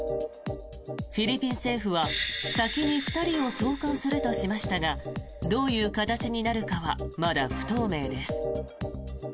フィリピン政府は先に２人を送還するとしましたがどういう形になるかはまだ不透明です。